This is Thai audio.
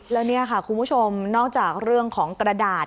แล้วนี่ค่ะคุณผู้ชมนอกจากเรื่องของกระดาษ